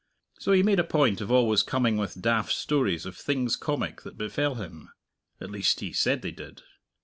So he made a point of always coming with daft stories of things comic that befell him at least, he said they did.